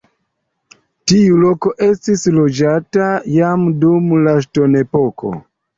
Tiu loko estis loĝata jam dum la ŝtonepoko.